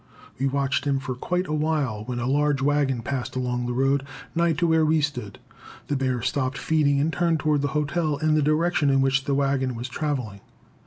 We watched him for quite a while, when a large wagon passing along the road nigh to where we stood, the bear stopped feeding and turned toward the hotel in the direction in which the wagon was traveling.